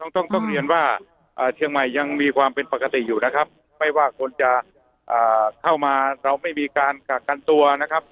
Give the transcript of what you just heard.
ต้องเรียนว่าเชียงใหม่ยังมีความเป็นปกติอยู่นะครับไม่ว่าคนจะเข้ามาเราไม่มีการกักกันตัวนะครับ